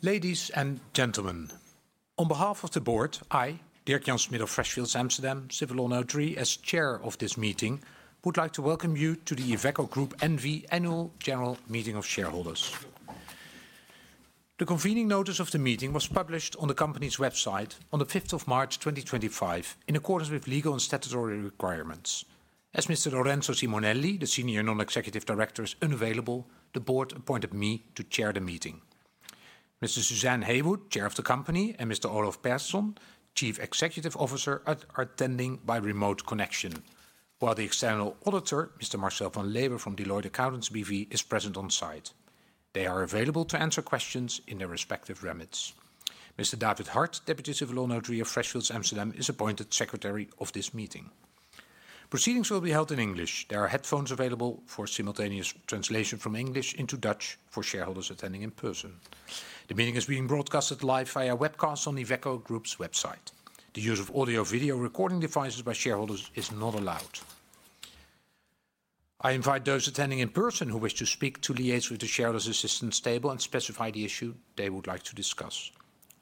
Ladies and gentlemen, on behalf of the Board, I, Dirk-Jan Smit of Freshfields Amsterdam, civil law notary, as Chair of this meeting, would like to welcome you to the Iveco Group NV Annual General Meeting of Shareholders. The convening notice of the meeting was published on the company's website on the 5th of March 2025, in accordance with legal and statutory requirements. As Mr. Lorenzo Simonelli, the Senior Non-Executive Director, is unavailable, the Board appointed me to chair the meeting. Ms. Suzanne Heywood, Chair of the company, and Mr. Olof Persson, Chief Executive Officer, are attending by remote connection, while the external auditor, Mr. Marcel van Leeuwen from Deloitte Accountants BV, is present on site. They are available to answer questions in their respective remits. Mr. David Hart, deputy civil law notary of Freshfields Amsterdam, is appointed Secretary of this meeting. Proceedings will be held in English. There are headphones available for simultaneous translation from English into Dutch for shareholders attending in person. The meeting is being broadcast live via webcast on the Iveco Group's website. The use of audio/video recording devices by shareholders is not allowed. I invite those attending in person who wish to speak to liaise with the shareholders' assistance table and specify the issue they would like to discuss.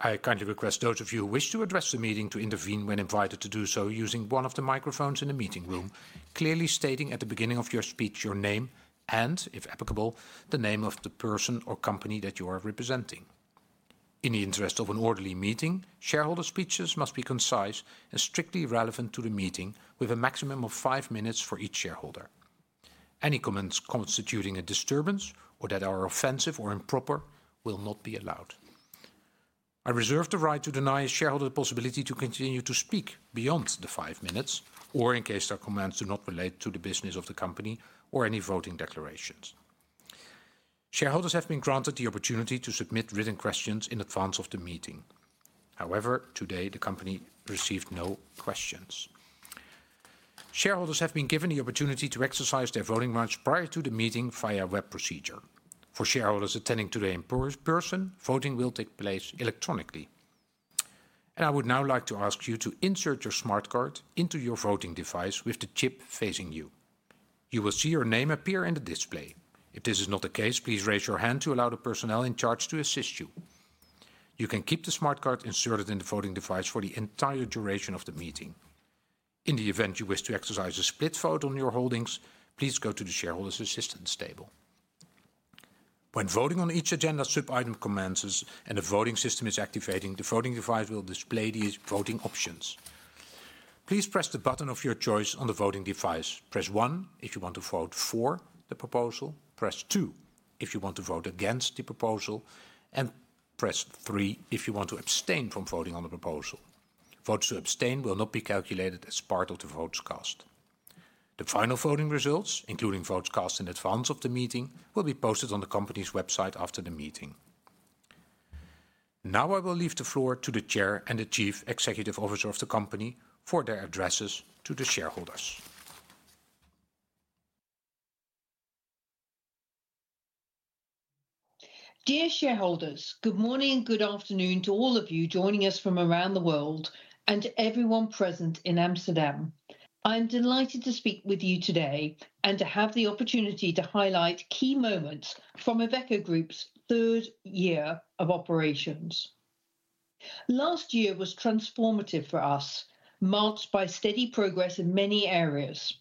I kindly request those of you who wish to address the meeting to intervene when invited to do so using one of the microphones in the meeting room, clearly stating at the beginning of your speech your name and, if applicable, the name of the person or company that you are representing. In the interest of an orderly meeting, shareholder speeches must be concise and strictly relevant to the meeting, with a maximum of five minutes for each shareholder. Any comments constituting a disturbance or that are offensive or improper will not be allowed. I reserve the right to deny a shareholder the possibility to continue to speak beyond the five minutes, or in case their comments do not relate to the business of the company or any voting declarations. Shareholders have been granted the opportunity to submit written questions in advance of the meeting. However, today the company received no questions. Shareholders have been given the opportunity to exercise their voting rights prior to the meeting via web procedure. For shareholders attending today in person, voting will take place electronically. I would now like to ask you to insert your smart card into your voting device with the chip facing you. You will see your name appear in the display. If this is not the case, please raise your hand to allow the personnel in charge to assist you. You can keep the smart card inserted in the voting device for the entire duration of the meeting. In the event you wish to exercise a split vote on your holdings, please go to the shareholders' assistance table. When voting on each agenda sub-item commences and the voting system is activating, the voting device will display the voting options. Please press the button of your choice on the voting device. Press one if you want to vote for the proposal, press two if you want to vote against the proposal, and press three if you want to abstain from voting on the proposal. Votes to abstain will not be calculated as part of the votes cast. The final voting results, including votes cast in advance of the meeting, will be posted on the company's website after the meeting. Now I will leave the floor to the Chair and the Chief Executive Officer of the company for their addresses to the shareholders. Dear shareholders, good morning and good afternoon to all of you joining us from around the world and to everyone present in Amsterdam. I'm delighted to speak with you today and to have the opportunity to highlight key moments from Iveco Group's third year of operations. Last year was transformative for us, marked by steady progress in many areas.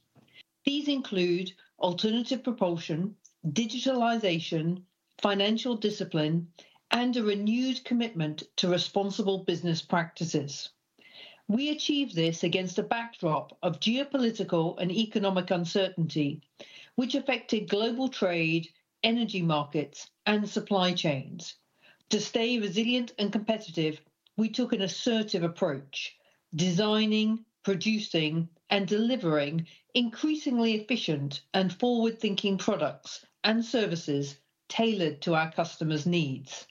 These include alternative propulsion, digitalization, financial discipline, and a renewed commitment to responsible business practices. We achieved this against a backdrop of geopolitical and economic uncertainty, which affected global trade, energy markets, and supply chains. To stay resilient and competitive, we took an assertive approach, designing, producing, and delivering increasingly efficient and forward-thinking products and services tailored to our customers' needs.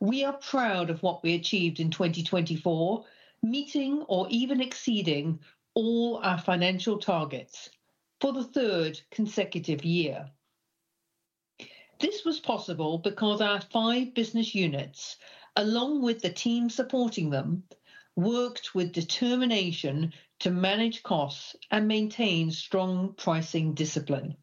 We are proud of what we achieved in 2024, meeting or even exceeding all our financial targets for the third consecutive year. This was possible because our five business units, along with the team supporting them, worked with determination to manage costs and maintain strong pricing discipline.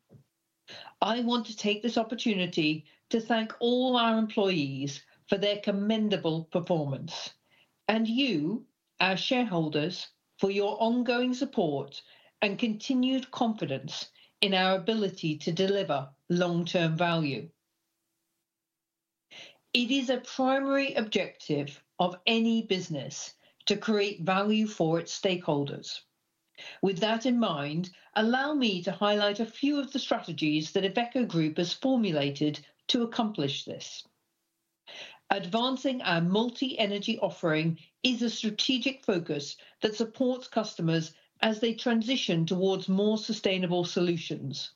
I want to take this opportunity to thank all our employees for their commendable performance and you, our shareholders, for your ongoing support and continued confidence in our ability to deliver long-term value. It is a primary objective of any business to create value for its stakeholders. With that in mind, allow me to highlight a few of the strategies that Iveco Group has formulated to accomplish this. Advancing our multi-energy offering is a strategic focus that supports customers as they transition towards more sustainable solutions.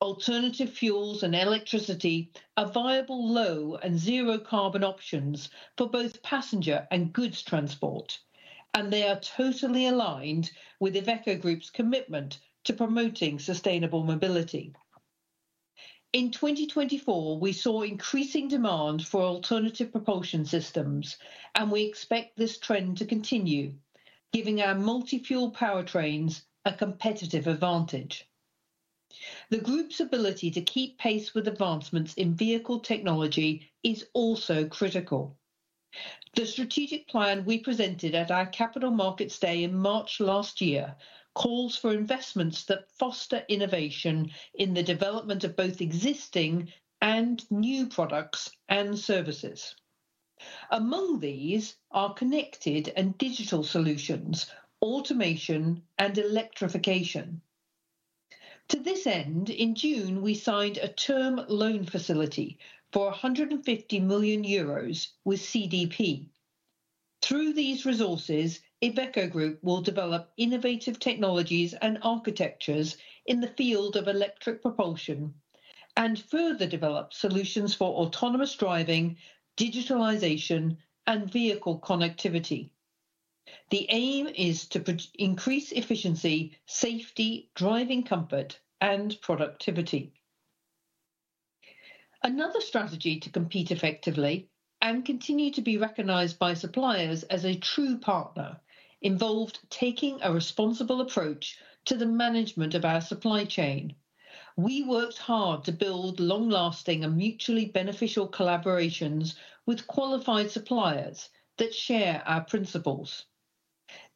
Alternative fuels and electricity are viable low and zero-carbon options for both passenger and goods transport, and they are totally aligned with Iveco Group's commitment to promoting sustainable mobility. In 2024, we saw increasing demand for alternative propulsion systems, and we expect this trend to continue, giving our multi-fuel powertrains a competitive advantage. The group's ability to keep pace with advancements in vehicle technology is also critical. The strategic plan we presented at our Capital Markets Day in March last year calls for investments that foster innovation in the development of both existing and new products and services. Among these are connected and digital solutions, automation, and electrification. To this end, in June, we signed a term loan facility for 150 million euros with CDP. Through these resources, Iveco Group will develop innovative technologies and architectures in the field of electric propulsion and further develop solutions for autonomous driving, digitalization, and vehicle connectivity. The aim is to increase efficiency, safety, driving comfort, and productivity. Another strategy to compete effectively and continue to be recognized by suppliers as a true partner involved taking a responsible approach to the management of our supply chain. We worked hard to build long-lasting and mutually beneficial collaborations with qualified suppliers that share our principles.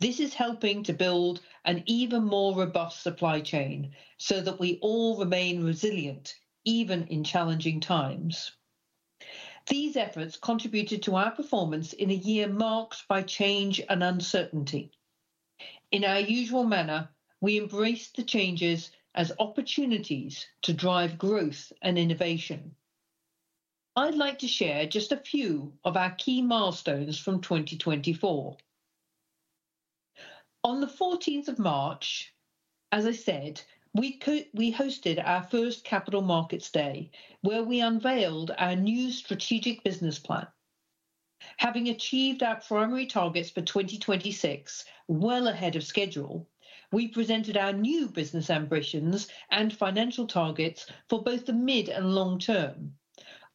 This is helping to build an even more robust supply chain so that we all remain resilient, even in challenging times. These efforts contributed to our performance in a year marked by change and uncertainty. In our usual manner, we embrace the changes as opportunities to drive growth and innovation. I'd like to share just a few of our key milestones from 2024. On the 14th of March, as I said, we hosted our first Capital Markets Day, where we unveiled our new strategic business plan. Having achieved our primary targets for 2026 well ahead of schedule, we presented our new business ambitions and financial targets for both the mid and long term.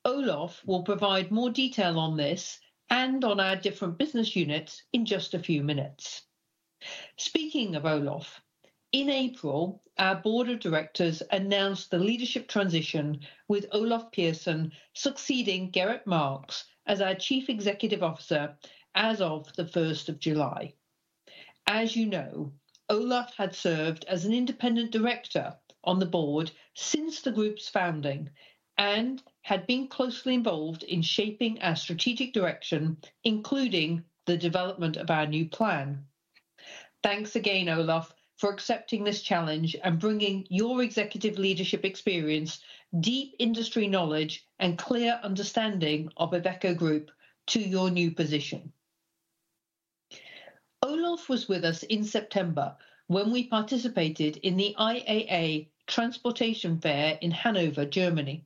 Olof will provide more detail on this and on our different business units in just a few minutes. Speaking of Olof, in April, our Board of Directors announced the leadership transition with Olof Persson succeeding Gerrit Marx as our Chief Executive Officer as of the 1st of July. As you know, Olof had served as an Independent Director on the Board since the group's founding and had been closely involved in shaping our strategic direction, including the development of our new plan. Thanks again, Olof, for accepting this challenge and bringing your executive leadership experience, deep industry knowledge, and clear understanding of Iveco Group to your new position. Olof was with us in September when we participated in the IAA Transportation Fair in Hanover, Germany.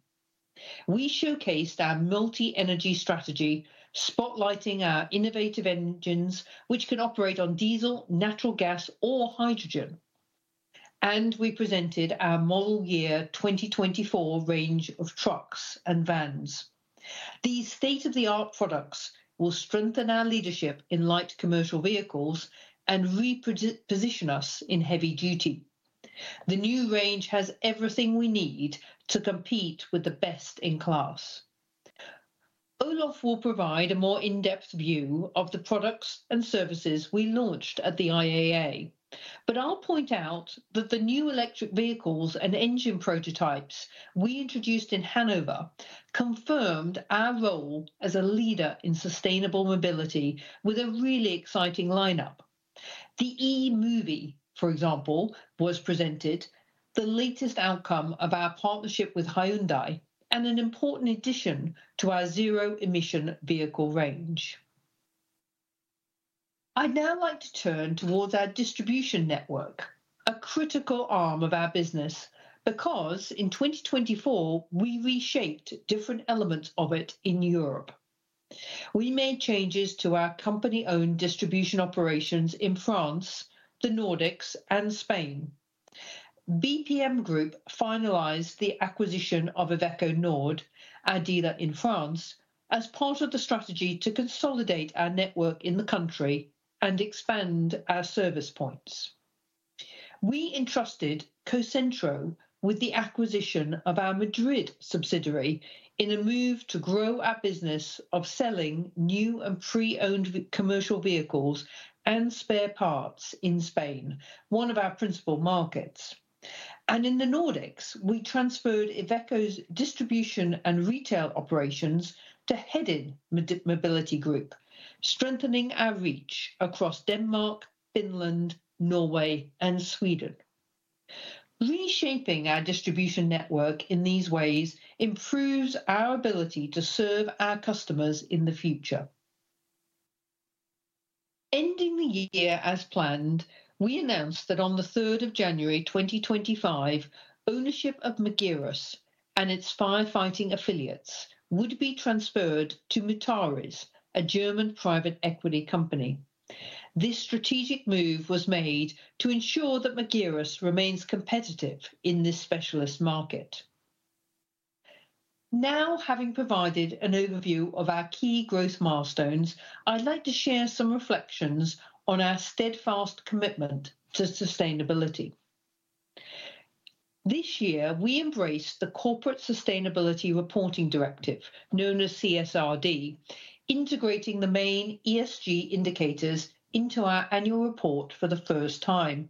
We showcased our multi-energy strategy, spotlighting our innovative engines, which can operate on diesel, natural gas, or hydrogen. We presented our model year 2024 range of trucks and vans. These state-of-the-art products will strengthen our leadership in light commercial vehicles and reposition us in heavy duty. The new range has everything we need to compete with the best in class. Olof will provide a more in-depth view of the products and services we launched at the IAA. I'll point out that the new electric vehicles and engine prototypes we introduced in Hanover confirmed our role as a leader in sustainable mobility with a really exciting lineup. The eDAILY, for example, was presented, the latest outcome of our partnership with Hyundai, and an important addition to our zero-emission vehicle range. I'd now like to turn towards our distribution network, a critical arm of our business, because in 2024, we reshaped different elements of it in Europe. We made changes to our company-owned distribution operations in France, the Nordics, and Spain. BPM Group finalized the acquisition of Iveco Nord, a dealer in France, as part of the strategy to consolidate our network in the country and expand our service points. We entrusted Cocentro with the acquisition of our Madrid subsidiary in a move to grow our business of selling new and pre-owned commercial vehicles and spare parts in Spain, one of our principal markets. In the Nordics, we transferred Iveco's distribution and retail operations to Hedin Mobility Group, strengthening our reach across Denmark, Finland, Norway, and Sweden. Reshaping our distribution network in these ways improves our ability to serve our customers in the future. Ending the year as planned, we announced that on the 3rd of January, 2025, ownership of Magirus and its firefighting affiliates would be transferred to Mutares, a German private equity company. This strategic move was made to ensure that Magirus remains competitive in this specialist market. Now, having provided an overview of our key growth milestones, I'd like to share some reflections on our steadfast commitment to sustainability. This year, we embraced the Corporate Sustainability Reporting Directive, known as CSRD, integrating the main ESG indicators into our annual report for the first time.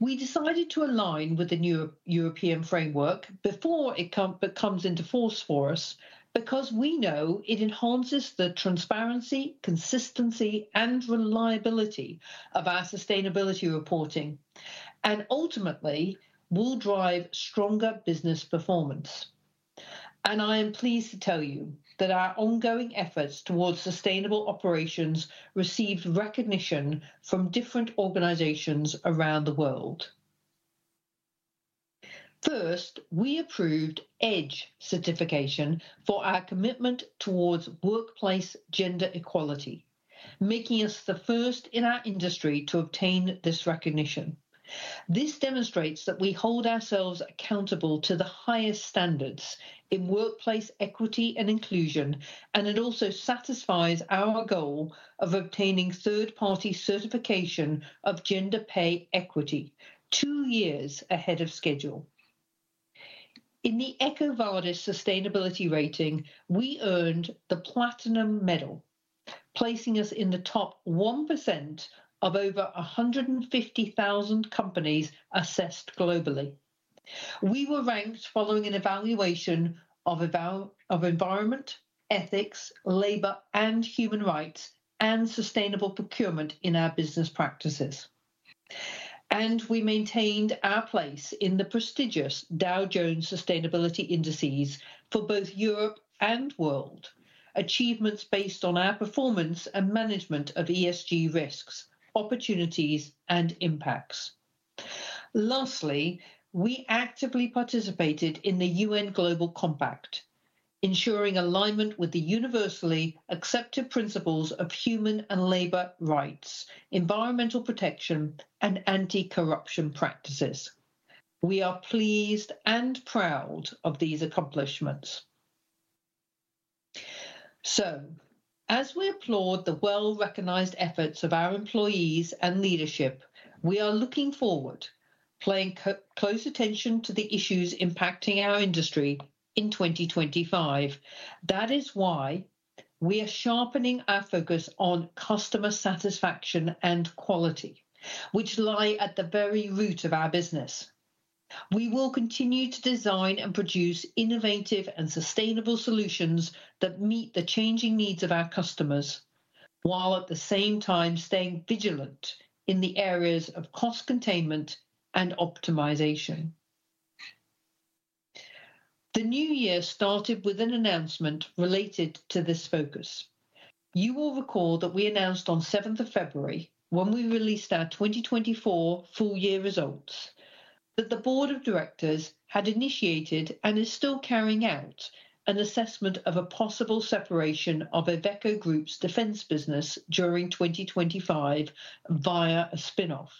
We decided to align with the new European framework before it comes into force for us, because we know it enhances the transparency, consistency, and reliability of our sustainability reporting, and ultimately will drive stronger business performance. I am pleased to tell you that our ongoing efforts towards sustainable operations received recognition from different organizations around the world. First, we approved EDGE Certification for our commitment towards workplace gender equality, making us the first in our industry to obtain this recognition. This demonstrates that we hold ourselves accountable to the highest standards in workplace equity and inclusion, and it also satisfies our goal of obtaining third-party certification of gender pay equity two years ahead of schedule. In the EcoVadis Sustainability Ratings, we earned the Platinum Medal, placing us in the top 1% of over 150,000 companies assessed globally. We were ranked following an evaluation of environment, ethics, labor and human rights, and sustainable procurement in our business practices. We maintained our place in the prestigious Dow Jones Sustainability Indices for both Europe and world, achievements based on our performance and management of ESG risks, opportunities, and impacts. Lastly, we actively participated in the UN Global Compact, ensuring alignment with the universally accepted principles of human and labor rights, environmental protection, and anti-corruption practices. We are pleased and proud of these accomplishments. As we applaud the well-recognized efforts of our employees and leadership, we are looking forward, paying close attention to the issues impacting our industry in 2025. That is why we are sharpening our focus on customer satisfaction and quality, which lie at the very root of our business. We will continue to design and produce innovative and sustainable solutions that meet the changing needs of our customers, while at the same time staying vigilant in the areas of cost containment and optimization. The new year started with an announcement related to this focus. You will recall that we announced on 7th of February, when we released our 2024 full year results, that the Board of Directors had initiated and is still carrying out an assessment of a possible separation of Iveco Group's defense business during 2025 via a spinoff.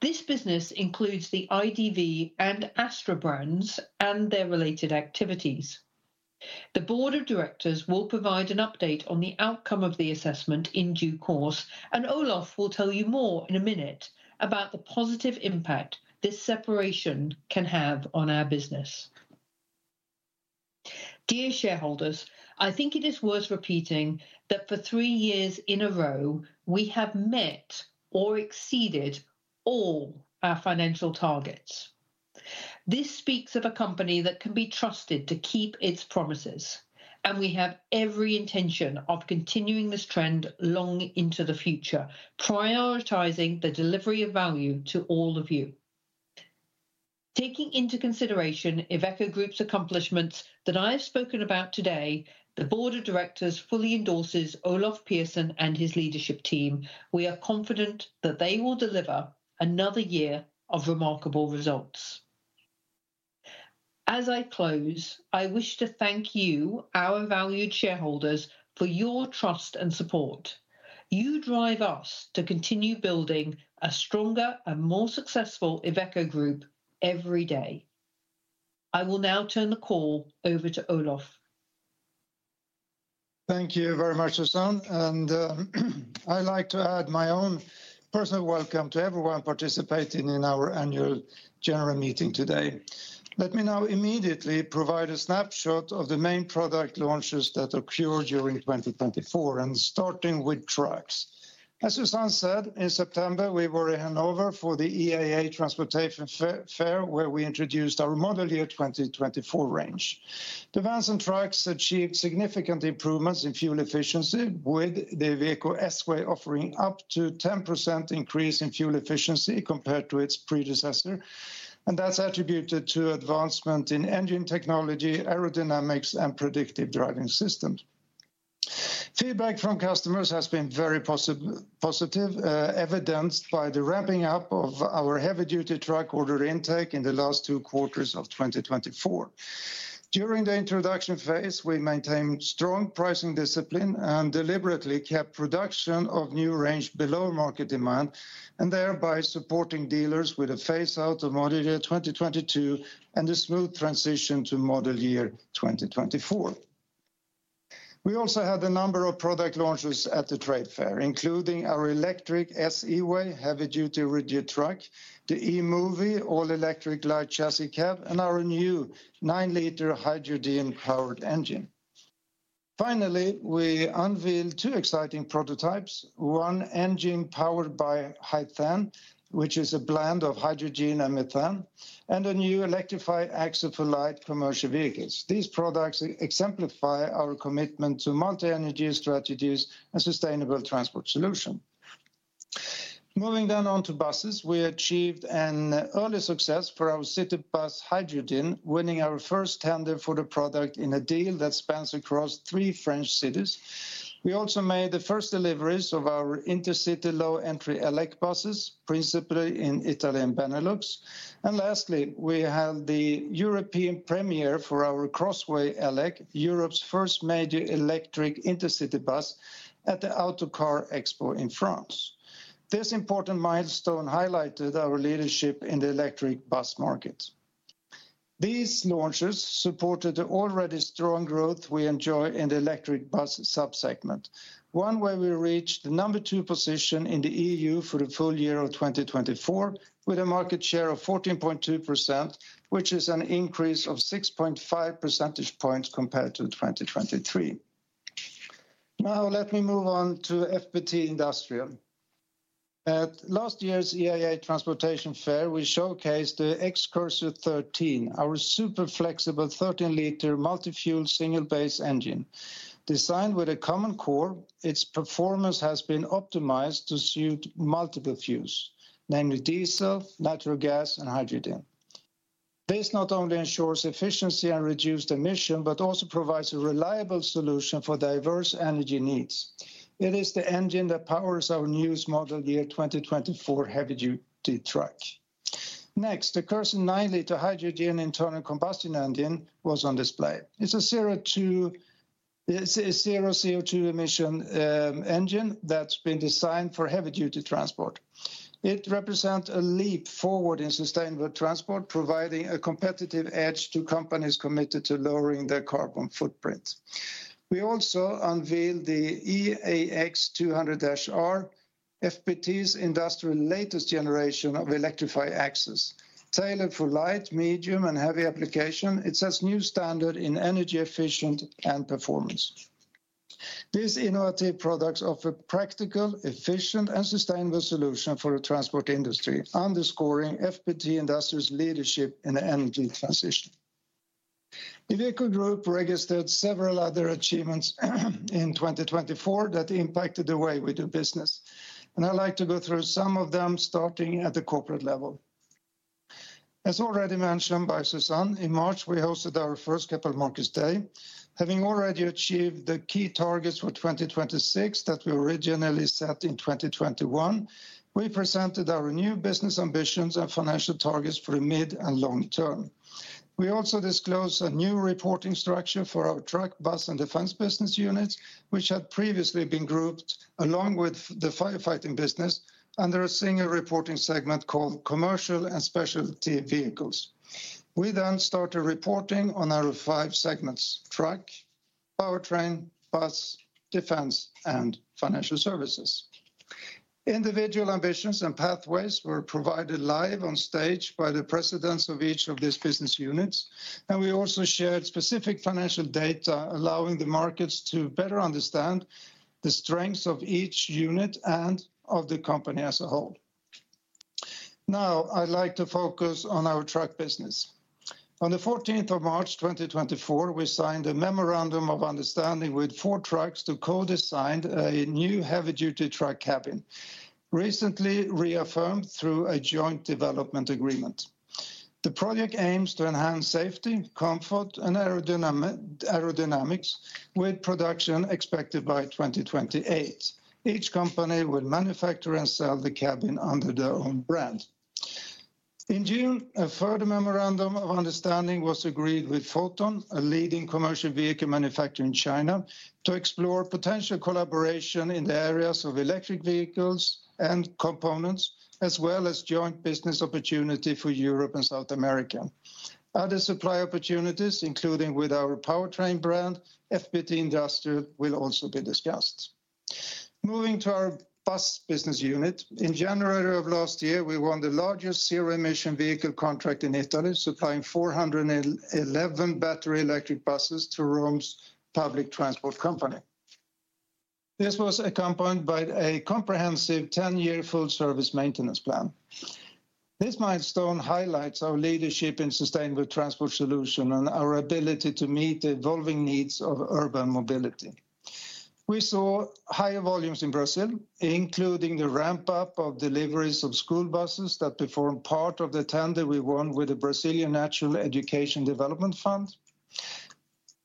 This business includes the IDV and Astra brands and their related activities. The Board of Directors will provide an update on the outcome of the assessment in due course, and Olof will tell you more in a minute about the positive impact this separation can have on our business. Dear shareholders, I think it is worth repeating that for three years in a row, we have met or exceeded all our financial targets. This speaks of a company that can be trusted to keep its promises, and we have every intention of continuing this trend long into the future, prioritizing the delivery of value to all of you. Taking into consideration Iveco Group's accomplishments that I have spoken about today, the Board of Directors fully endorses Olof Persson and his leadership team. We are confident that they will deliver another year of remarkable results. As I close, I wish to thank you, our valued shareholders, for your trust and support. You drive us to continue building a stronger and more successful Iveco Group every day. I will now turn the call over to Olof. Thank you very much, Suzanne. I would like to add my own personal welcome to everyone participating in our Annual General Meeting today. Let me now immediately provide a snapshot of the main product launches that occurred during 2024, starting with trucks. As Suzanne said, in September, we were in Hanover for the IAA Transportation Fair, where we introduced our model year 2024 range. The vans and trucks achieved significant improvements in fuel efficiency, with the vehicle S-Way offering up to a 10% increase in fuel efficiency compared to its predecessor. That is attributed to advancements in engine technology, aerodynamics, and predictive driving systems. Feedback from customers has been very positive, evidenced by the ramping up of our heavy-duty truck order intake in the last two quarters of 2024. During the introduction phase, we maintained strong pricing discipline and deliberately kept production of new range below market demand, thereby supporting dealers with a phase-out of model year 2022 and a smooth transition to model year 2024. We also had a number of product launches at the trade fair, including our electric S-eWAY This important milestone highlighted our leadership in the electric bus market. These launches supported the already strong growth we enjoy in the electric bus subsegment, one where we reached the number two position in the E.U. for the full year of 2024, with a market share of 14.2%, which is an increase of 6.5 percentage points compared to 2023. Now, let me move on to FPT Industrial. At last year's IAA Transportation Fair, we showcased the XCURSOR 13, our super flexible 13 L multi-fuel single-base engine. Designed with a common core, its performance has been optimized to suit multiple fuels, namely diesel, natural gas, and hydrogen. This not only ensures efficiency and reduced emissions, but also provides a reliable solution for diverse energy needs. It is the engine that powers our newest model year 2024 heavy-duty truck. Next, the CURSOR 9 L hydrogen internal combustion engine was on display. It's a zero CO2 emission engine that's been designed for heavy-duty transport. It represents a leap forward in sustainable transport, providing a competitive edge to companies committed to lowering their carbon footprint. We also unveiled the eAX 200-R, FPT Industrial's latest generation of electrified axles. Tailored for light, medium, and heavy application, it sets a new standard in energy efficiency and performance. These innovative products offer practical, efficient, and sustainable solutions for the transport industry, underscoring FPT Industrial's leadership in the energy transition. Iveco Group registered several other achievements in 2024 that impacted the way we do business. I'd like to go through some of them, starting at the corporate level. As already mentioned by Suzanne, in March, we hosted our first Capital Markets Day. Having already achieved the key targets for 2026 that we originally set in 2021, we presented our new business ambitions and financial targets for the mid and long term. We also disclosed a new reporting structure for our truck, bus, and defense business units, which had previously been grouped along with the firefighting business under a single reporting segment called commercial and specialty vehicles. We then started reporting on our five segments: truck, powertrain, bus, defense, and financial services. Individual ambitions and pathways were provided live on stage by the presidents of each of these business units. We also shared specific financial data, allowing the markets to better understand the strengths of each unit and of the company as a whole. Now, I'd like to focus on our truck business. On the 14th of March 2024, we signed a memorandum of understanding with Ford Trucks to co-design a new heavy-duty truck cabin, recently reaffirmed through a joint development agreement. The project aims to enhance safety, comfort, and aerodynamics with production expected by 2028. Each company will manufacture and sell the cabin under their own brand. In June, a further memorandum of understanding was agreed with Foton, a leading commercial vehicle manufacturer in China, to explore potential collaboration in the areas of electric vehicles and components, as well as joint business opportunities for Europe and South America. Other supply opportunities, including with our powertrain brand, FPT Industrial, will also be discussed. Moving to our bus business unit, in January of last year, we won the largest zero-emission vehicle contract in Italy, supplying 411 battery electric buses to Rome's public transport company. This was accompanied by a comprehensive 10-year full-service maintenance plan. This milestone highlights our leadership in sustainable transport solutions and our ability to meet the evolving needs of urban mobility. We saw higher volumes in Brazil, including the ramp-up of deliveries of school buses that performed part of the tender we won with the Brazilian National Education Development Fund.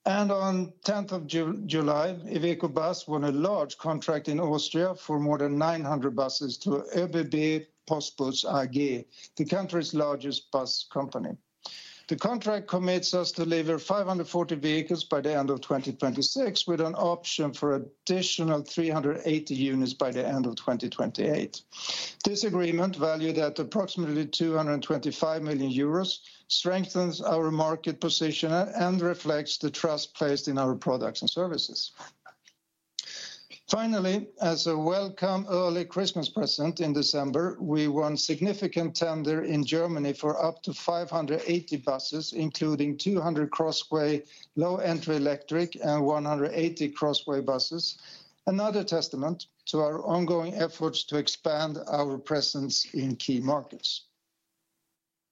On the 10th of July, Iveco Bus won a large contract in Austria for more than 900 buses through ÖBB-Postbus AG, the country's largest bus company. The contract commits us to deliver 540 vehicles by the end of 2026, with an option for an additional 380 units by the end of 2028. This agreement, valued at approximately 225 million euros, strengthens our market position and reflects the trust placed in our products and services. Finally, as a welcome early Christmas present in December, we won a significant tender in Germany for up to 580 buses, including 200 CROSSWAY Low-Entry electric and 180 CROSSWAY buses, another testament to our ongoing efforts to expand our presence in key markets.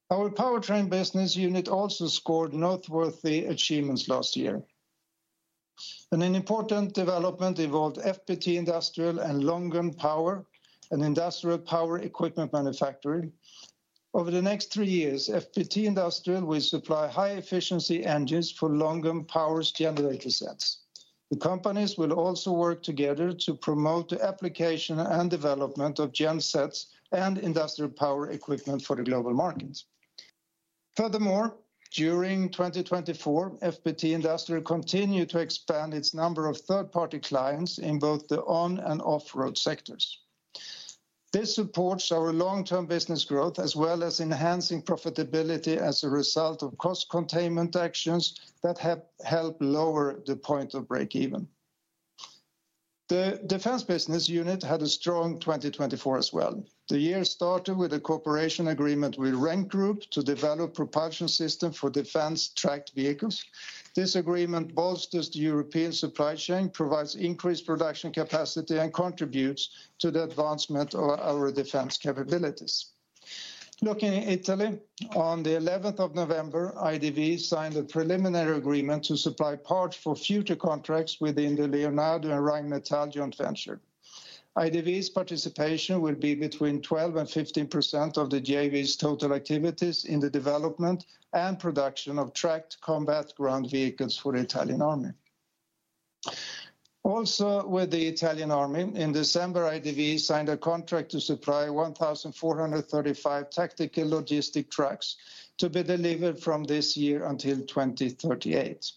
Our powertrain business unit also scored noteworthy achievements last year. An important development involved FPT Industrial and Lonking Power, an industrial power equipment manufacturer. Over the next three years, FPT Industrial will supply high-efficiency engines for Lonking Power's generator sets. The companies will also work together to promote the application and development of gen sets and industrial power equipment for the global markets. Furthermore, during 2024, FPT Industrial continued to expand its number of third-party clients in both the on- and off-road sectors. This supports our long-term business growth, as well as enhancing profitability as a result of cost containment actions that help lower the point of break-even. The defense business unit had a strong 2024 as well. The year started with a cooperation agreement with RENK Group to develop a propulsion system for defense tracked vehicles. This agreement bolsters the European supply chain, provides increased production capacity, and contributes to the advancement of our defense capabilities. Looking at Italy, on the 11th of November, IDV signed a preliminary agreement to supply parts for future contracts within the Leonardo and Rheinmetall joint venture. IDV's participation will be between 12% and 15% of the JV's total activities in the development and production of tracked combat ground vehicles for the Italian Army. Also, with the Italian Army, in December, IDV signed a contract to supply 1,435 tactical logistic trucks to be delivered from this year until 2038.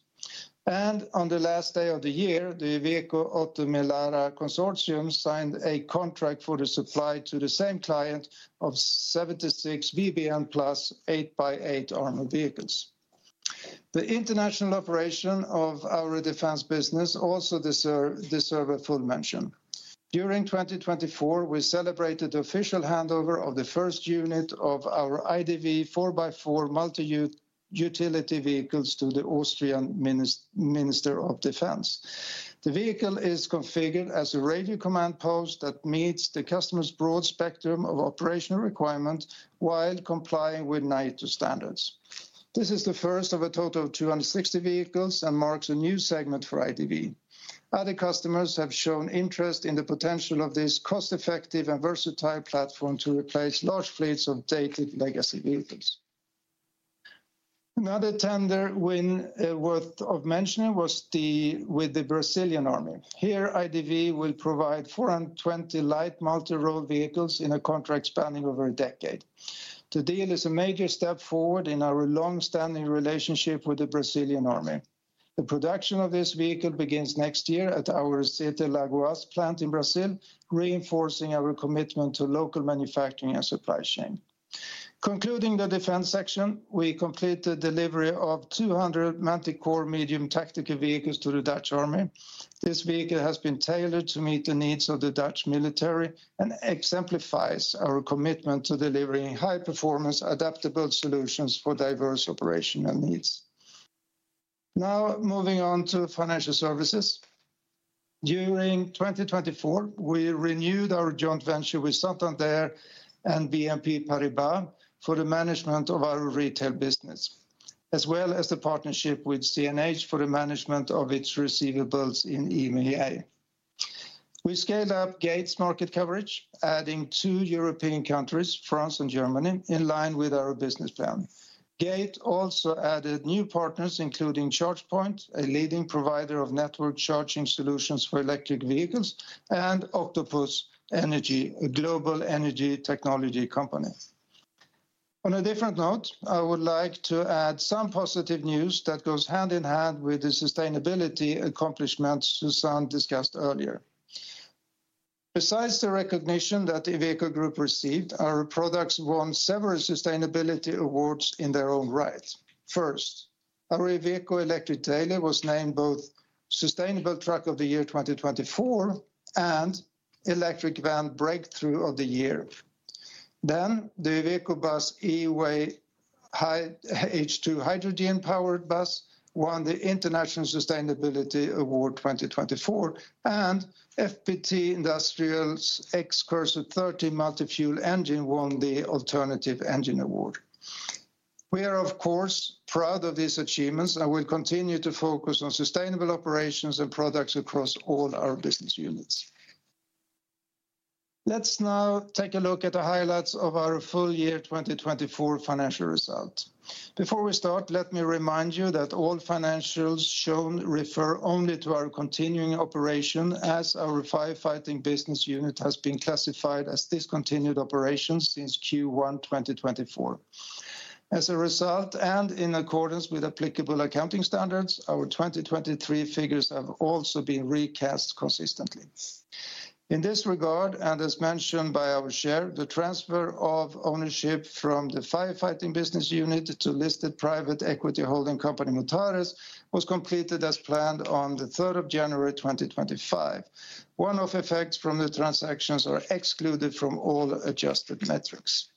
On the last day of the year, the Iveco - Oto Melara Consortium signed a contract for the supply to the same client of 76 VBM Plus 8x8 armored vehicles. The international operation of our defense business also deserves a full mention. During 2024, we celebrated the official handover of the first unit of our IDV 4x4 Multi-Utility Vehicles to the Austrian Minister of Defense. The vehicle is configured as a radio command post that meets the customer's broad spectrum of operational requirements while complying with NATO standards. This is the first of a total of 260 vehicles and marks a new segment for IDV. Other customers have shown interest in the potential of this cost-effective and versatile platform to replace large fleets of dated legacy vehicles. Another tender worth mentioning was the Brazilian Army. Here, IDV will provide 420 Light Multirole Vehicles in a contract spanning over a decade. The deal is a major step forward in our long-standing relationship with the Brazilian Army. The production of this vehicle begins next year at our Sete Lagoas plant in Brazil, reinforcing our commitment to local manufacturing and supply chain. Concluding the defense section, we completed the delivery of 200 Manticore Medium Tactical Vehicles to the Dutch Army. This vehicle has been tailored to meet the needs of the Dutch military and exemplifies our commitment to delivering high-performance, adaptable solutions for diverse operational needs. Now, moving on to financial services. During 2024, we renewed our joint venture with Santander and BNP Paribas for the management of our retail business, as well as the partnership with CNH for the management of its receivables in EMEA. We scaled up GATE's market coverage, adding two European countries, France and Germany, in line with our business plan. GATE also added new partners, including ChargePoint, a leading provider of network charging solutions for electric vehicles, and Octopus Energy, a global energy technology company. On a different note, I would like to add some positive news that goes hand in hand with the sustainability accomplishments Suzanne discussed earlier. Besides the recognition that Iveco Group received, our products won several sustainability awards in their own right. First, our Iveco Electric Trailer was named both Sustainable Truck of the Year 2024 and Electric Van Breakthrough of the Year. The Iveco Bus E-WAY H2 Hydrogen Powered Bus won the International Sustainability Award 2024, and FPT Industrial's XCURSOR 13 Multi-Fuel Engine won the Alternative Engine Award. We are, of course, proud of these achievements and will continue to focus on sustainable operations and products across all our business units. Let's now take a look at the highlights of our full year 2024 financial result. Before we start, let me remind you that all financials shown refer only to our continuing operations, as our firefighting business unit has been classified as discontinued operations since Q1 2024. As a result, and in accordance with applicable accounting standards, our 2023 figures have also been recast consistently. In this regard, and as mentioned by our Chair, the transfer of ownership from the firefighting business unit to listed private equity holding company Mutares was completed as planned on the 3rd of January 2025. One-off effects from the transactions are excluded from all adjusted metrics.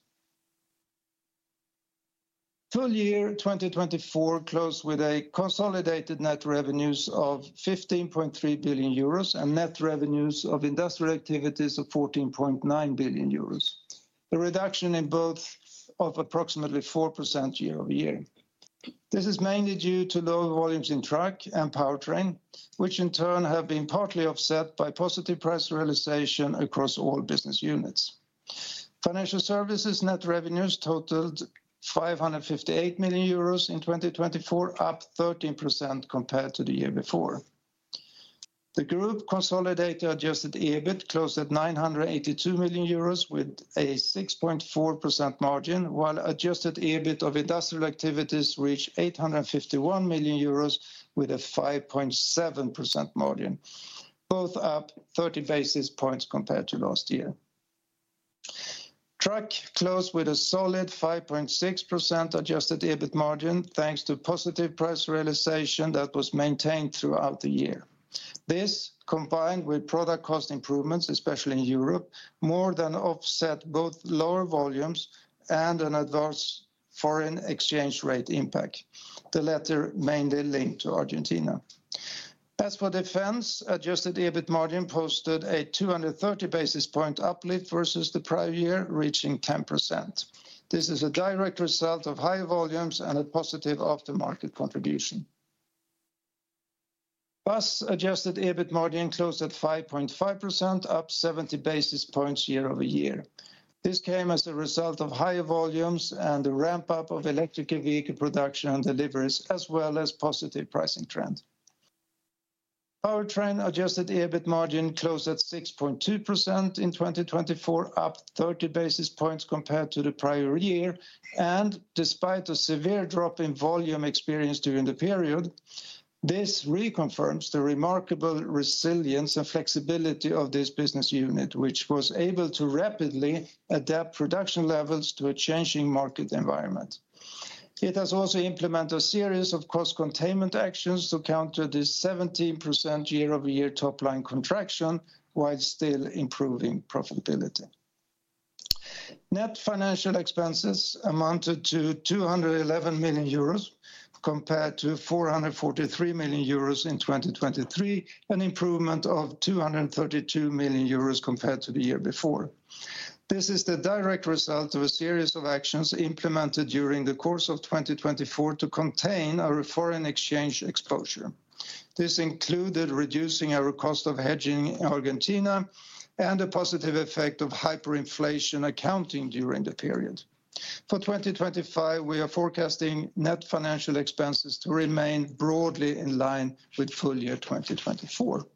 Full year 2024 closed with a consolidated net revenues of 15.3 billion euros and net revenues of industrial activities of 14.9 billion euros, a reduction in both of approximately 4% year-over-year. This is mainly due to low volumes in truck and powertrain, which in turn have been partly offset by positive price realization across all business units. Financial services net revenues totaled 558 million euros in 2024, up 13% compared to the year before. The group consolidated adjusted EBIT closed at 982 million euros with a 6.4% margin, while adjusted EBIT of industrial activities reached 851 million euros with a 5.7% margin, both up 30 basis points compared to last year. Truck closed with a solid 5.6% adjusted EBIT margin, thanks to positive price realization that was maintained throughout the year. This, combined with product cost improvements, especially in Europe, more than offset both lower volumes and an adverse foreign exchange rate impact. The latter mainly linked to Argentina. As for defense, adjusted EBIT margin posted a 230 basis point uplift versus the prior year, reaching 10%. This is a direct result of high volumes and a positive aftermarket contribution. Bus adjusted EBIT margin closed at 5.5%, up 70 basis points year-over-year. This came as a result of high volumes and the ramp-up of electric vehicle production and deliveries, as well as a positive pricing trend. Powertrain adjusted EBIT margin closed at 6.2% in 2024, up 30 basis points compared to the prior year. Despite a severe drop in volume experienced during the period, this reconfirms the remarkable resilience and flexibility of this business unit, which was able to rapidly adapt production levels to a changing market environment. It has also implemented a series of cost containment actions to counter the 17% year-over-year top-line contraction, while still improving profitability. Net financial expenses amounted to 211 million euros compared to 443 million euros in 2023, an improvement of 232 million euros compared to the year before. This is the direct result of a series of actions implemented during the course of 2024 to contain our foreign exchange exposure. This included reducing our cost of hedging in Argentina and a positive effect of hyperinflation accounting during the period. For 2025, we are forecasting net financial expenses to remain broadly in line with full year 2024.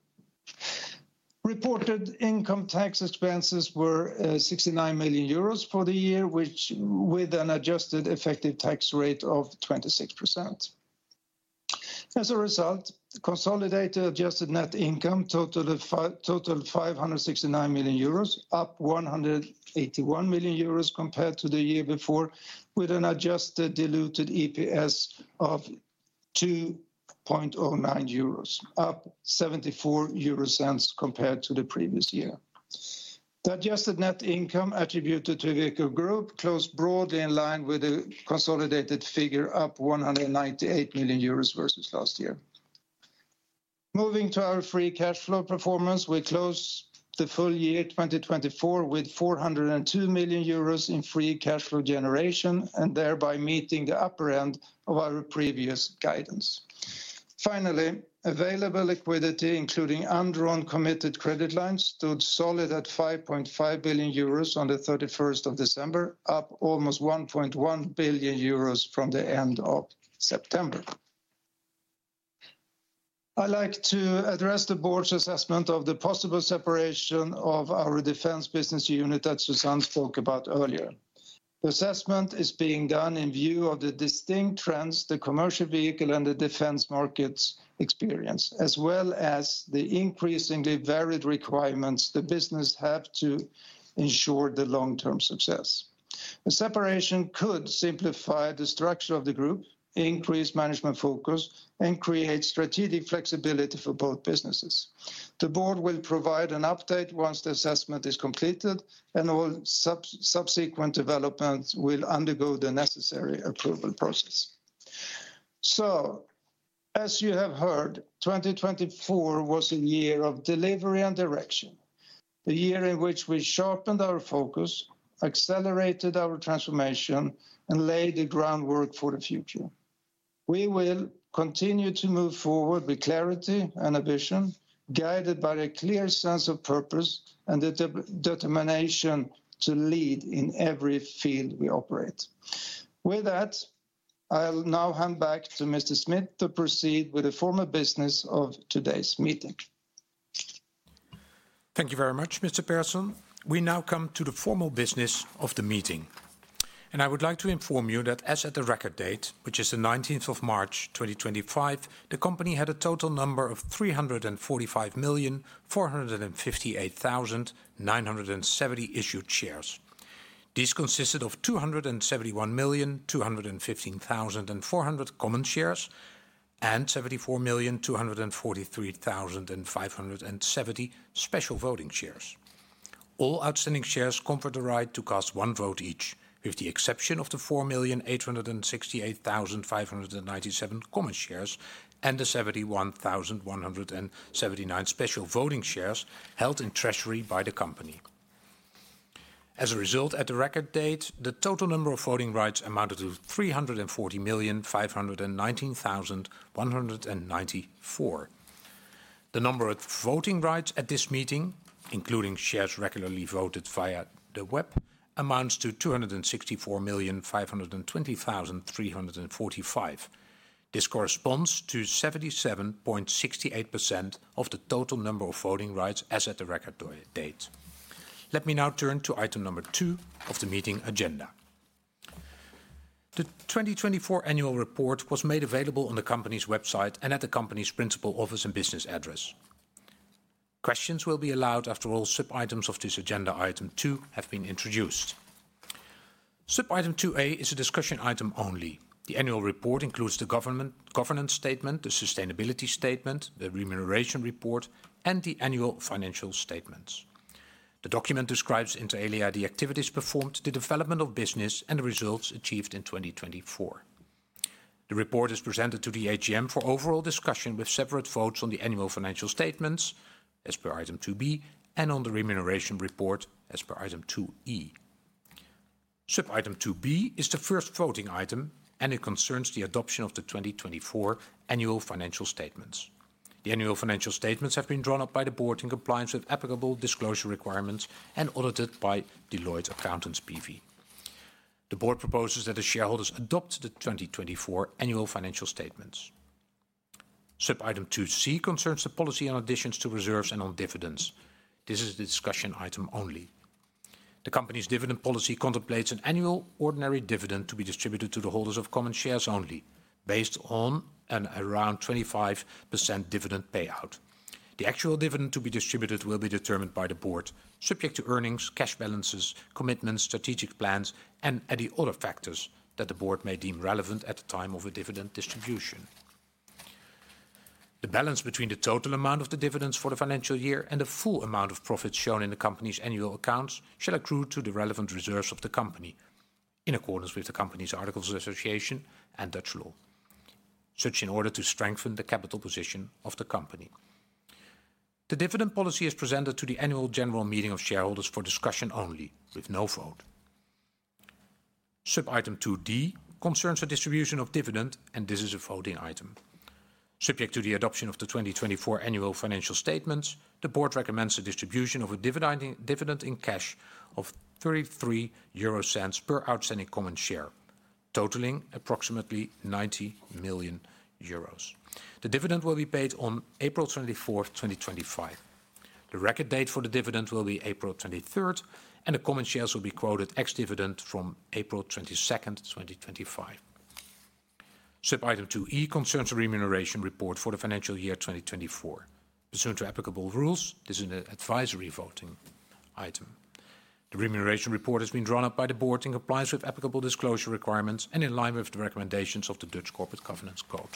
Reported income tax expenses were 69 million euros for the year, with an adjusted effective tax rate of 26%. As a result, consolidated adjusted net income totaled 569 million euros, up 181 million euros compared to the year before, with an adjusted diluted EPS of 2.09 euros, up 0.74 compared to the previous year. The adjusted net income attributed to Iveco Group closed broadly in line with the consolidated figure, up 198 million euros versus last year. Moving to our free cash flow performance, we closed the full year 2024 with 402 million euros in free cash flow generation, and thereby meeting the upper end of our previous guidance. Finally, available liquidity, including underwritten committed credit lines, stood solid at 5.5 billion euros on the 31st of December, up almost 1.1 billion euros from the end of September. I'd like to address the Board's assessment of the possible separation of our defense business unit that Suzanne spoke about earlier. The assessment is being done in view of the distinct trends the commercial vehicle and the defense markets experience, as well as the increasingly varied requirements the business has to ensure the long-term success. The separation could simplify the structure of the group, increase management focus, and create strategic flexibility for both businesses. The Board will provide an update once the assessment is completed, and all subsequent developments will undergo the necessary approval process. As you have heard, 2024 was a year of delivery and direction, the year in which we sharpened our focus, accelerated our transformation, and laid the groundwork for the future. We will continue to move forward with clarity and ambition, guided by a clear sense of purpose and the determination to lead in every field we operate. With that, I'll now hand back to Mr. Smit to proceed with the formal business of today's meeting. Thank you very much, Mr. Persson. We now come to the formal business of the meeting. I would like to inform you that, as at the record date, which is the 19th of March 2025, the company had a total number of 345,458,970 issued shares. These consisted of 271,215,400 common shares and 74,243,570 special voting shares. All outstanding shares confer the right to cast one vote each, with the exception of the 4,868,597 common shares and the 71,179 special voting shares held in treasury by the company. As a result, at the record date, the total number of voting rights amounted to 340,519,194. The number of voting rights at this meeting, including shares regularly voted via the web, amounts to 264,520,345. This corresponds to 77.68% of the total number of voting rights as at the record date. Let me now turn to item number 2 of the meeting agenda. The 2024 annual report was made available on the company's website and at the company's principal office and business address. Questions will be allowed after all sub-items of this agenda. Item 2 has been introduced. Sub-item 2(a) is a discussion item only. The annual report includes the governance statement, the sustainability statement, the remuneration report, and the annual financial statements. The document describes inter alia the activities performed, the development of business, and the results achieved in 2024. The report is presented to the AGM for overall discussion with separate votes on the annual financial statements, as per item 2(b), and on the remuneration report, as per item 2(e). Sub-item 2(b) is the first voting item, and it concerns the adoption of the 2024 annual financial statements. The annual financial statements have been drawn up by the Board in compliance with applicable disclosure requirements and audited by Deloitte Accountants BV. The Board proposes that the shareholders adopt the 2024 annual financial statements. Sub-item 2(c) concerns the policy on additions to reserves and on dividends. This is the discussion item only. The company's dividend policy contemplates an annual ordinary dividend to be distributed to the holders of common shares only, based on an around 25% dividend payout. The actual dividend to be distributed will be determined by the Board, subject to earnings, cash balances, commitments, strategic plans, and any other factors that the Board may deem relevant at the time of a dividend distribution. The balance between the total amount of the dividends for the financial year and the full amount of profits shown in the company's annual accounts shall accrue to the relevant reserves of the company, in accordance with the company's articles of association and Dutch law. Such in order to strengthen the capital position of the company. The dividend policy is presented to the Annual General Meeting of shareholders for discussion only, with no vote. Sub-item 2(d) concerns the distribution of dividend, and this is a voting item. Subject to the adoption of the 2024 annual financial statements, the Board recommends the distribution of a dividend in cash of 0.33 per outstanding common share, totaling approximately 90 million euros. The dividend will be paid on April 24th, 2025. The record date for the dividend will be April 23rd, and the common shares will be quoted ex-dividend from April 22nd, 2025. Sub-item 2(e) concerns a remuneration report for the financial year 2024. Pursuant to applicable rules, this is an advisory voting item. The remuneration report has been drawn up by the Board in compliance with applicable disclosure requirements and in line with the recommendations of the Dutch Corporate Governance Code.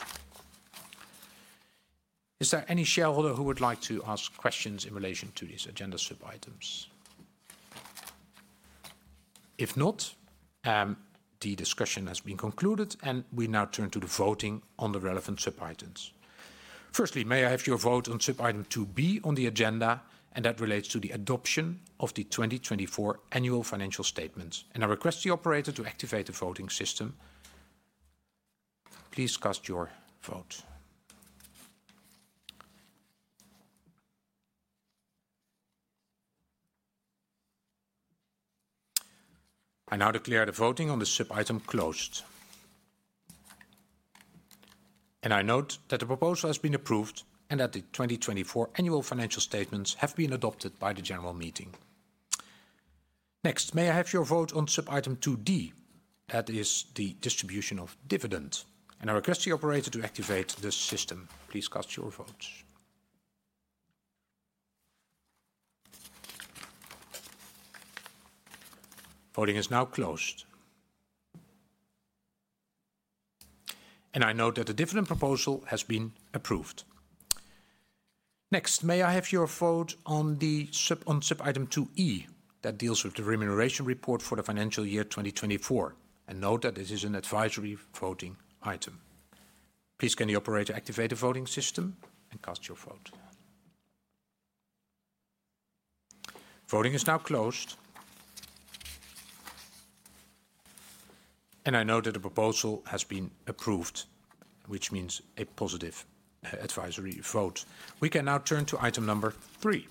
Is there any shareholder who would like to ask questions in relation to these agenda sub-items? If not, the discussion has been concluded, and we now turn to the voting on the relevant sub-items. Firstly, may I have your vote on sub-item 2(b) on the agenda, and that relates to the adoption of the 2024 annual financial statements? I request the operator to activate the voting system. Please cast your vote. I now declare the voting on the sub-item closed. I note that the proposal has been approved and that the 2024 annual financial statements have been adopted by the general meeting. Next, may I have your vote on sub-item 2(d), that is the distribution of dividend? I request the operator to activate the system. Please cast your votes. Voting is now closed. I note that the dividend proposal has been approved. Next, may I have your vote on sub-item 2(e) that deals with the remuneration report for the financial year 2024? I note that this is an advisory voting item. Please can the operator activate the voting system and cast your vote. Voting is now closed. I note that the proposal has been approved, which means a positive advisory vote. We can now turn to item number 3.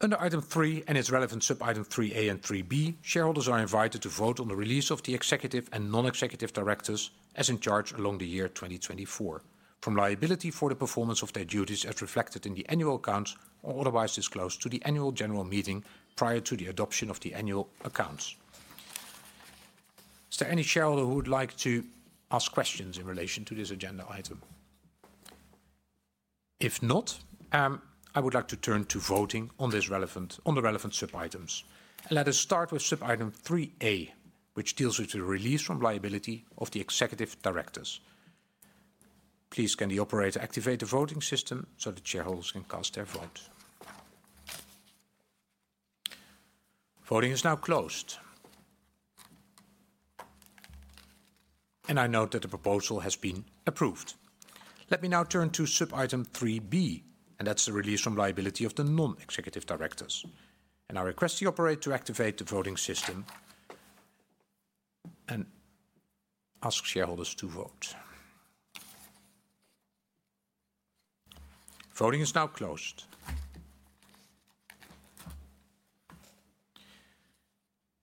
Under item 3 and its relevant sub-item 3(a) and 3(b), shareholders are invited to vote on the release of the executive and non-executive directors as in charge along the year 2024, from liability for the performance of their duties as reflected in the annual accounts or otherwise disclosed to the Annual General Meeting prior to the adoption of the annual accounts. Is there any shareholder who would like to ask questions in relation to this agenda item? If not, I would like to turn to voting on the relevant sub-items. Let us start with sub-item 3(a), which deals with the release from liability of the executive directors. Please can the operator activate the voting system so that shareholders can cast their vote. Voting is now closed. I note that the proposal has been approved. Let me now turn to sub-item 3(b), and that's the release from liability of the non-executive directors. I request the operator to activate the voting system and ask shareholders to vote. Voting is now closed.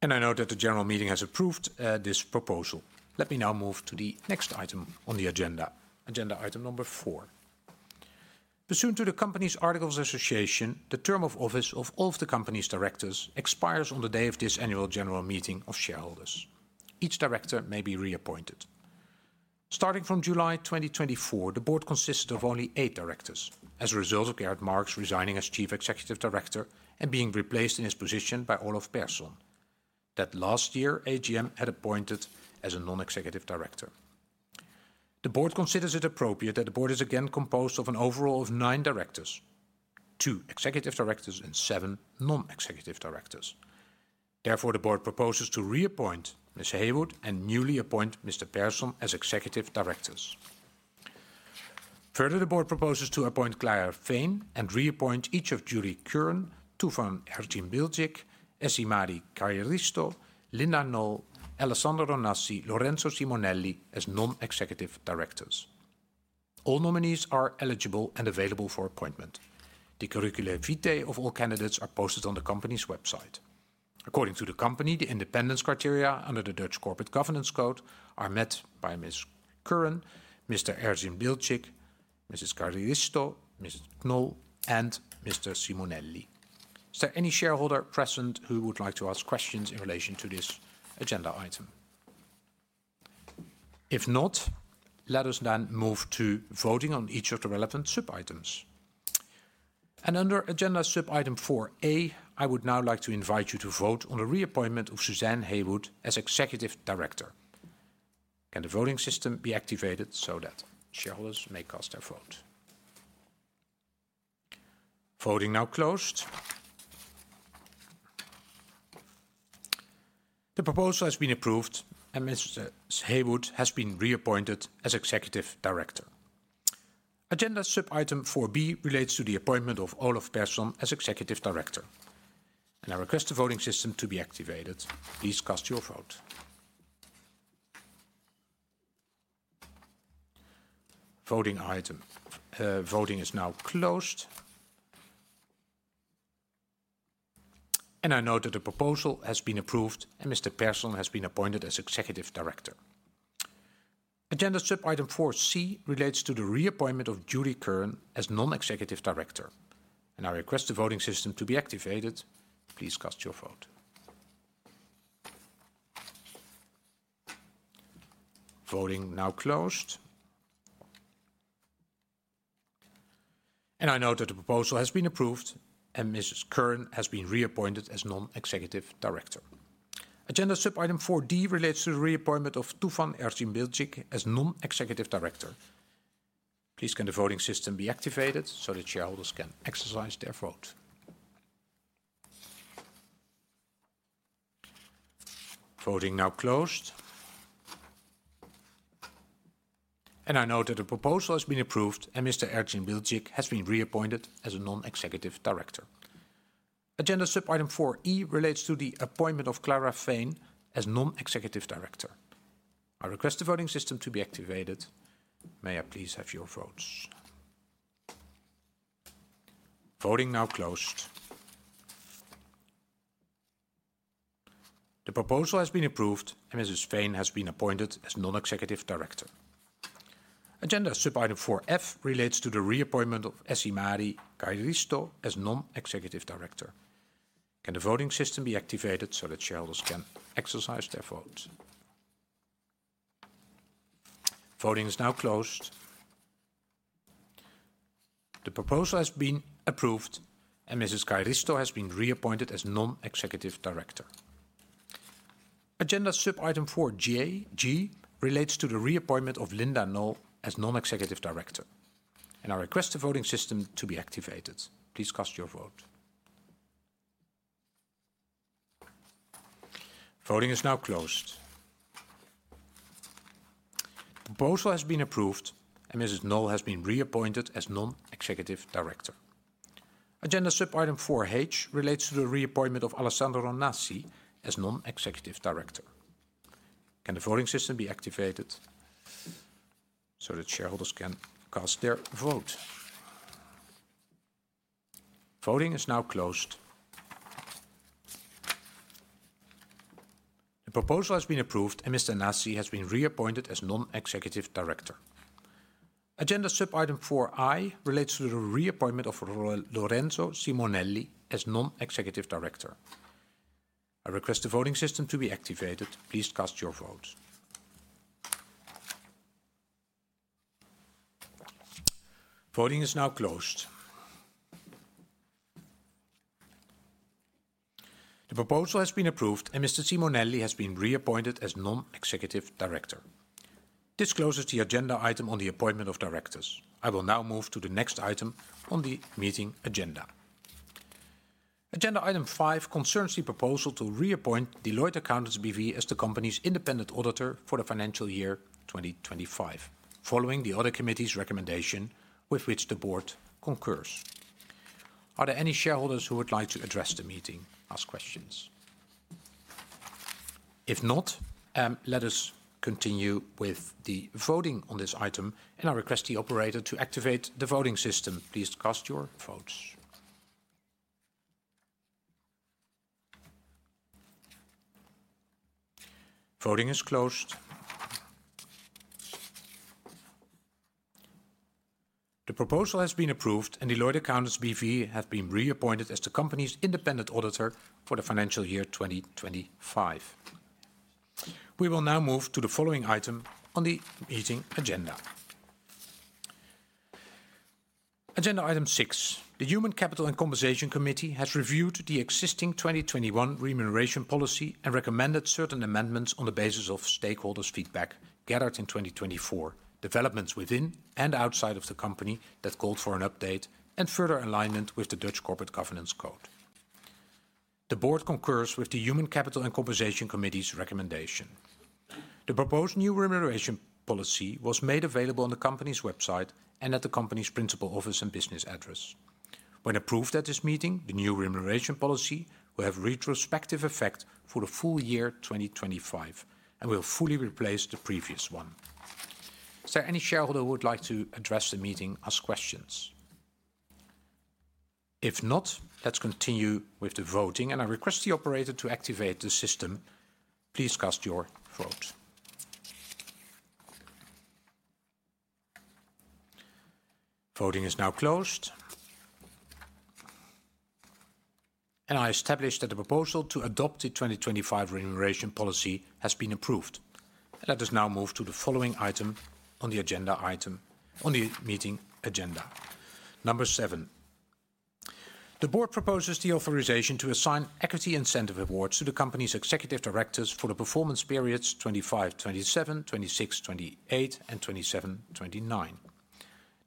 I note that the general meeting has approved this proposal. Let me now move to the next item on the agenda, agenda item number 4. Pursuant to the company's articles of association, the term of office of all of the company's directors expires on the day of this Annual General Meeting of shareholders. Each director may be reappointed. Starting from July 2024, the Board consisted of only eight directors, as a result of Gerrit Marx resigning as Chief Executive Director and being replaced in his position by Olof Persson, that last year AGM had appointed as a Non-Executive Director. The Board considers it appropriate that the Board is again composed of an overall of nine directors, two executive directors, and seven non-executive directors. Therefore, the Board proposes to reappoint Ms. Heywood and newly appoint Mr. Persson as executive directors. Further, the Board proposes to appoint Clara Fain and reappoint each of Judy Curran, Tufan Erginbilgic, Essimari Kairisto, Linda Knoll, Alessandro Nasi, Lorenzo Simonelli as non-executive directors. All nominees are eligible and available for appointment. The curriculum vitae of all candidates are posted on the company's website. According to the company, the independence criteria under the Dutch Corporate Governance Code are met by Ms. Curran, Mr. Erginbilgic, Mrs. Kairisto, Mrs. Knoll, and Mr. Simonelli. Is there any shareholder present who would like to ask questions in relation to this agenda item? If not, let us then move to voting on each of the relevant sub-items. Under agenda sub-item 4(a), I would now like to invite you to vote on the reappointment of Suzanne Heywood as Executive Director. Can the voting system be activated so that shareholders may cast their vote? Voting now closed. The proposal has been approved, and Mrs. Heywood has been reappointed as Executive Director. Agenda sub-item 4(b) relates to the appointment of Olof Persson as Executive Director. I request the voting system to be activated. Please cast your vote. Voting is now closed. I note that the proposal has been approved, and Mr. Persson has been appointed as Executive Director. Agenda sub-item 4(c) relates to the reappointment of Judy Curran as Non-Executive Director. I request the voting system to be activated. Please cast your vote. Voting now closed. I note that the proposal has been approved, and Mrs. Curran has been reappointed as Non-Executive Director. Agenda sub-item 4(d) relates to the reappointment of Tufan Erginbilgic as Non-Executive Director. Please can the voting system be activated so that shareholders can exercise their vote. Voting now closed. I note that the proposal has been approved, and Mr. Erginbilgic has been reappointed as a Non-Executive Director. Agenda sub-item 4(e) relates to the appointment of Clara Fain as Non-Executive Director. I request the voting system to be activated. May I please have your votes. Voting now closed. The proposal has been approved, and Mrs. Fain has been appointed as Non-Executive Director. Agenda sub-item 4(f) relates to the reappointment of Essimari Kairisto as Non-Executive Director. Can the voting system be activated so that shareholders can exercise their vote. Voting is now closed. The proposal has been approved, and Mrs. Kairisto has been reappointed as Non-Executive Director. Agenda sub-item 4(g) relates to the reappointment of Linda Knoll as Non-Executive Director. I request the voting system to be activated. Please cast your vote. Voting is now closed. The proposal has been approved, and Mrs. Knoll has been reappointed as Non-Executive Director. Agenda sub-item 4(h) relates to the reappointment of Alessandro Nasi as Non-Executive Director. Can the voting system be activated so that shareholders can cast their vote? Voting is now closed. The proposal has been approved, and Mr. Nasi has been reappointed as Non-Executive Director. Agenda sub-item 4(i) relates to the reappointment of Lorenzo Simonelli as Non-Executive Director. I request the voting system to be activated. Please cast your vote. Voting is now closed. The proposal has been approved, and Mr. Simonelli has been reappointed as Non-Executive Director. This closes the agenda item on the appointment of directors. I will now move to the next item on the meeting agenda. Agenda item 5 concerns the proposal to reappoint Deloitte Accountants BV as the company's independent auditor for the financial year 2025, following the Audit Committee's recommendation with which the Board concurs. Are there any shareholders who would like to address the meeting? Ask questions. If not, let us continue with the voting on this item, and I request the operator to activate the voting system. Please cast your votes. Voting is closed. The proposal has been approved, and Deloitte Accountants BV has been reappointed as the company's independent auditor for the financial year 2025. We will now move to the following item on the meeting agenda. Agenda item 6. The Human Capital and Compensation Committee has reviewed the existing 2021 remuneration policy and recommended certain amendments on the basis of stakeholders' feedback gathered in 2024, developments within and outside of the company that called for an update and further alignment with the Dutch Corporate Governance Code. The Board concurs with the Human Capital and Compensation Committee's recommendation. The proposed new remuneration policy was made available on the company's website and at the company's principal office and business address. When approved at this meeting, the new remuneration policy will have retrospective effect for the full year 2025 and will fully replace the previous one. Is there any shareholder who would like to address the meeting? Ask questions. If not, let's continue with the voting, and I request the operator to activate the system. Please cast your vote. Voting is now closed. I establish that the proposal to adopt the 2025 remuneration policy has been approved. Let us now move to the following item on the meeting agenda, number seven. The Board proposes the authorization to assign equity incentive awards to the company's executive directors for the performance periods 2025-2027, 2026-2028, and 2027-2029.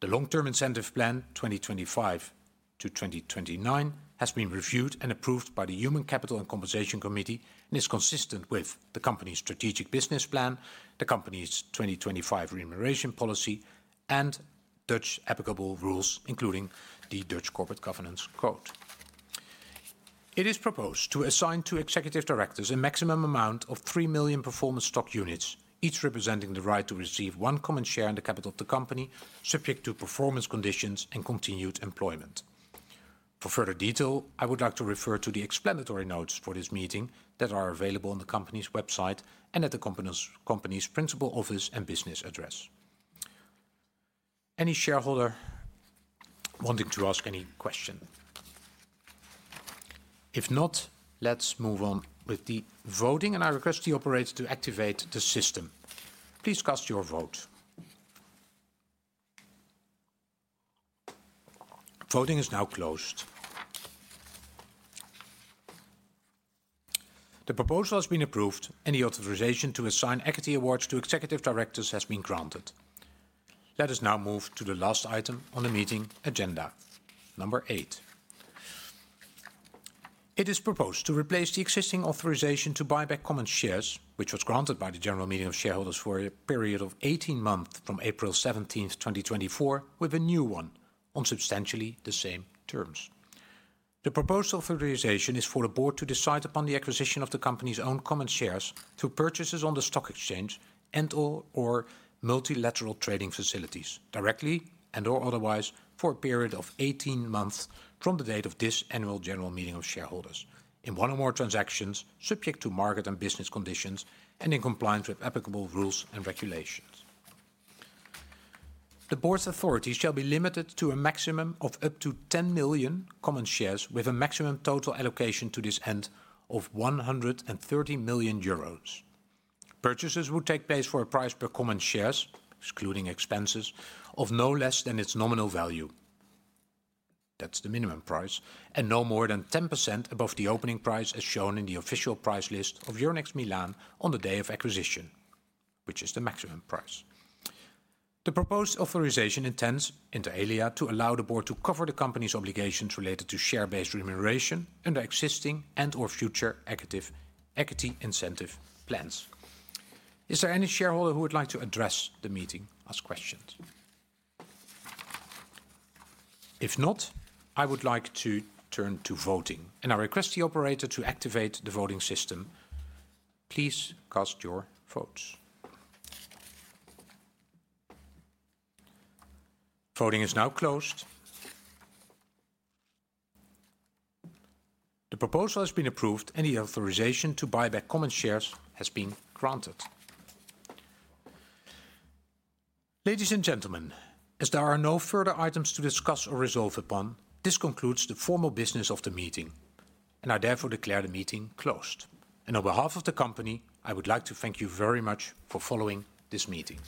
The Long-Term Incentive Plan 2025-2029 has been reviewed and approved by the Human Capital and Compensation Committee and is consistent with the company's strategic business plan, the company's 2025 remuneration policy, and Dutch applicable rules, including the Dutch Corporate Governance Code. It is proposed to assign to executive directors a maximum amount of 3 million performance stock units, each representing the right to receive one common share in the capital of the company, subject to performance conditions and continued employment. For further detail, I would like to refer to the explanatory notes for this meeting that are available on the company's website and at the company's principal office and business address. Any shareholder wanting to ask any question? If not, let's move on with the voting, and I request the operator to activate the system. Please cast your vote. Voting is now closed. The proposal has been approved, and the authorization to assign equity awards to executive directors has been granted. Let us now move to the last item on the meeting agenda, number eight. It is proposed to replace the existing authorization to buy back common shares, which was granted by the general meeting of shareholders for a period of 18 months from April 17th, 2024, with a new one on substantially the same terms. The proposed authorization is for the Board to decide upon the acquisition of the company's own common shares through purchases on the stock exchange and/or multilateral trading facilities, directly and/or otherwise for a period of 18 months from the date of this Annual General Meeting of shareholders, in one or more transactions subject to market and business conditions and in compliance with applicable rules and regulations. The Board's authority shall be limited to a maximum of up to 10 million common shares with a maximum total allocation to this end of 130 million euros. Purchases would take place for a price per common share, excluding expenses, of no less than its nominal value. That's the minimum price, and no more than 10% above the opening price as shown in the official price list of Euronext Milan on the day of acquisition, which is the maximum price. The proposed authorization intends inter alia to allow the Board to cover the company's obligations related to share-based remuneration under existing and/or future equity incentive plans. Is there any shareholder who would like to address the meeting? Ask questions. If not, I would like to turn to voting, and I request the operator to activate the voting system. Please cast your votes. Voting is now closed. The proposal has been approved, and the authorization to buy back common shares has been granted. Ladies and gentlemen, as there are no further items to discuss or resolve upon, this concludes the formal business of the meeting, and I therefore declare the meeting closed. On behalf of the company, I would like to thank you very much for following this meeting.